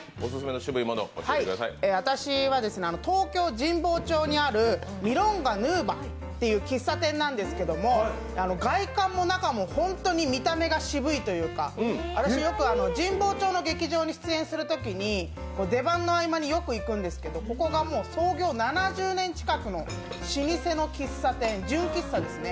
私は東京・神保町にあるミロンガ・ヌォーバっていう喫茶店なんですけど外観も中も本当に見た目が渋いというか、私、よく神保町の劇場に出演するときに、出番の合間によく行くんですけど創業７０年の純喫茶店。